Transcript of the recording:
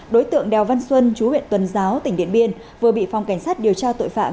đối tượng đèo văn xuân chú huyện tuần giáo tỉnh điện biên vừa bị phòng cảnh sát điều tra tội phạm